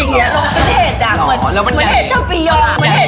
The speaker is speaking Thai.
มันจะเห็นดำเหมือนเห็นเจ้าปียอร์